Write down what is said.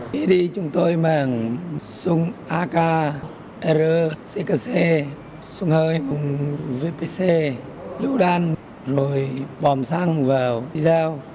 khi đi chúng tôi mang súng ak r ckc súng hơi vpc lưu đan rồi bóng xăng vào đi giao